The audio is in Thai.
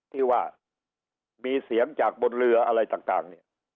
ที่ว่ามีเสียงจากบนเรืออะไรต่างเนี่ย